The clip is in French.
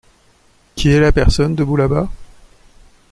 Qui est la personne debout là-bas ?